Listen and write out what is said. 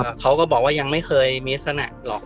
สุดท้ายก็ไม่มีทางเลือกที่ไม่มีทางเลือก